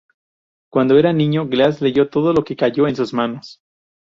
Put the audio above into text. Cuando era niño, Gass leyó todo lo que cayó en sus manos.